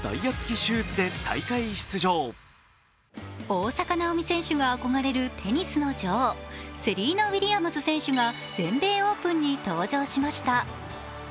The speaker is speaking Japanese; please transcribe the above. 大坂なおみ選手が憧れるテニスの女王、セリーナ・ウィリアムズ選手が全米オープンに登場しました。